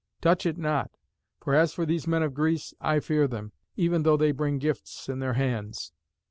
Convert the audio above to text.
Touch it not, for as for these men of Greece, I fear them, even though they bring gifts in their hands."